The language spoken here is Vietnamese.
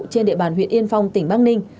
trên địa bàn huyện yên phong tỉnh bắc ninh